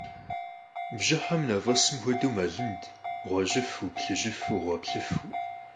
Бжьыхьэм, мафӀэсым хуэдэу, мэлыд гъуэжьыфэу, плъыжьыфэу, гъуэплъыфэу.